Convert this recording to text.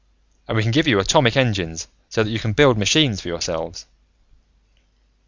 And we can give you atomic engines, so that you can build machines for yourselves."